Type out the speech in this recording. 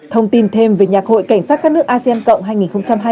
thông tin thêm về nhạc hội cảnh sát các nước asean cộng hai nghìn hai mươi